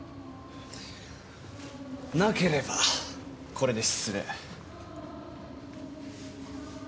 なければこれで失礼。